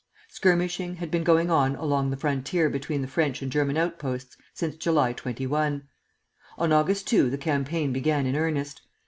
Skirmishing had been going on along the frontier between the French and German outposts since July 21. On August 2 the campaign began in earnest.